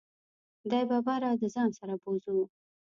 دی به باره دځان سره بوزو .